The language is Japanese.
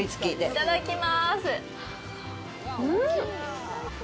いただきまーす。